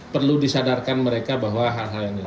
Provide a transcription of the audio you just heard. perlu disadarkan mereka bahwa hal hal ini